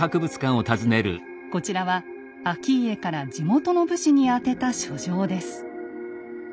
こちらは顕家から地元の武士に宛てた書状です。